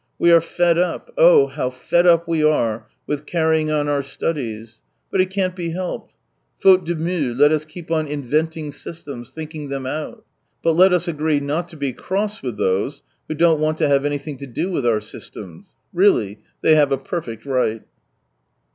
We are fed up, oh, how fed up we are with carrying on our studies. But it can't be helped. Faute de mteux, let us keep on inventing systems, thinking them out. But let us agree not to be cross with those who don't want to have anything to do with our systems. Really, they have a perfect right.